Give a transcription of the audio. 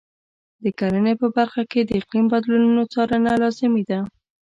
د کرنې په برخه کې د اقلیم بدلونونو څارنه لازمي ده.